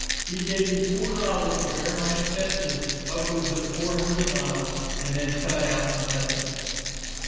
He gave me four dollars to bear my expenses upwards of four hundred miles, and then cut out and left me.